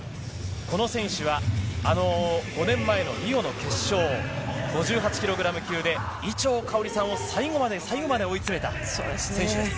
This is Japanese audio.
この選手は、あの５年前のリオの決勝、５８キログラム級で伊調馨さんを最後まで最後まで追い詰めた選手です。